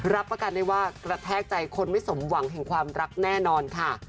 รับประกันได้ว่ากระแทกใจคนไม่สมหวังแห่งความรักแน่นอนค่ะ